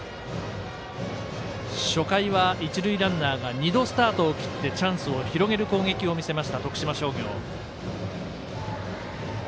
初回は、一塁ランナーが２度、スタートを切ってチャンスを広げる攻撃を見せました徳島商業。